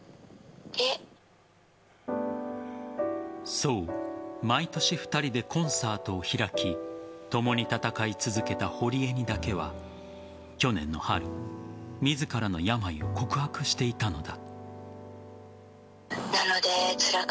そう毎年、２人でコンサートを開き共に戦い続けた堀江にだけは去年の春自らの病を告白していたのだ。